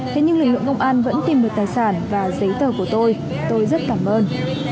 thế nhưng lực lượng công an vẫn tìm được tài sản và giấy tờ của tôi tôi rất cảm ơn